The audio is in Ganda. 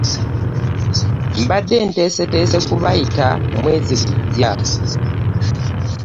Mbadde nteeseteese kubayita mwezi gujja.